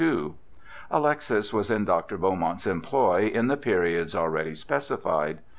Alexis was in Dr. Beaumont's employ in the periods already specified.